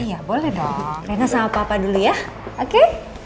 ya boleh dong rena sama papa dulu ya oke